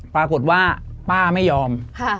ปรากฏว่าป้าไม่ยอม